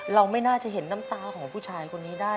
เราไม่น่าจะเห็นน้ำตาของผู้ชายคนนี้ได้